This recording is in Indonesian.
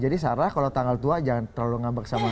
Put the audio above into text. jadi sarah kalau tanggal tua jangan terlalu ngambek sama